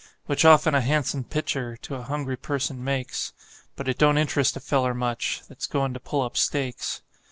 Which often a han'some pictur' to a hungry person makes, But it don't interest a feller much that's goin' to pull up stakes.